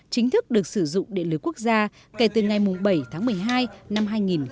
chính thức được sử dụng điện lưới quốc gia kể từ ngày bảy tháng một mươi hai năm hai nghìn một mươi chín